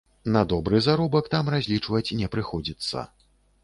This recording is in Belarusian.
На добры заробак там разлічваць не прыходзіцца.